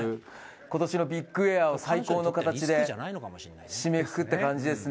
今年のビッグエアを最高の形で締めくくった感じですね。